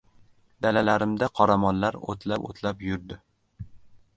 Dalalarimda qoramollar o‘tlab-o‘tlab yurdi.